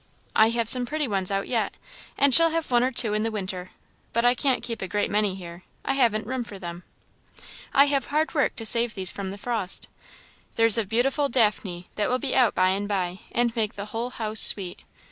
"I have some pretty ones out yet, and shall have one or two in the winter; but I can't keep a great many here; I haven't room for them. I have hard work to save these from frost. There's a beautiful daphne that will be out by and by, and make the whole house sweet.